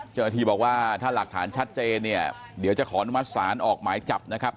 เจ้าหน้าที่บอกว่าถ้าหลักฐานชัดเจนเนี่ยเดี๋ยวจะขออนุมัติศาลออกหมายจับนะครับ